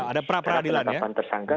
terhadap penetapan tersangka